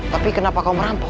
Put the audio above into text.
tapi kenapa kau merampok